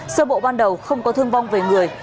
sơ bộ ban đầu không có thương vong về người